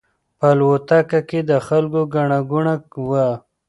په الوتکه کې د خلکو ګڼه ګوڼه وه.